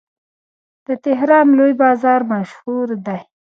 د تهران لوی بازار مشهور دی.